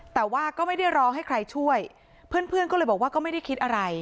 แต่ว่าก็ไม่ได้ร้องให้ใครช่วยเพื่อนเพื่อนก็เลยบอกว่าก็ไม่ได้คิดอะไร